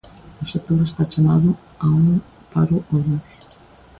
O sector está chamado a un paro o luns.